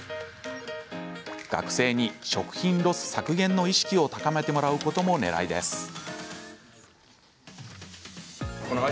学生に食品ロス削減の意識を高めてもらうこともねらいです。